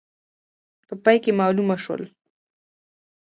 په پای کې معلومه شول.